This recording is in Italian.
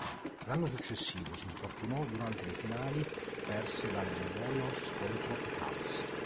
L'anno successivo si infortunò durante le finali perse dagli Warriors contro i Cavs.